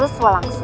urus walang susah